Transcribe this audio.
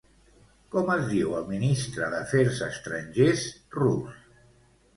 Com es diu el ministre d'Afers Estrangers rus?